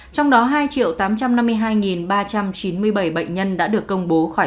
trong đó hai tám trăm năm mươi hai ba trăm chín mươi bảy bệnh nhân